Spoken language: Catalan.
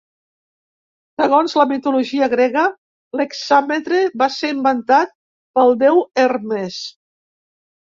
Segons la mitologia grega, l'hexàmetre va ser inventat pel Déu Hermes.